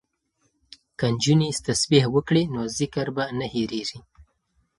که نجونې تسبیح وکړي نو ذکر به نه هیریږي.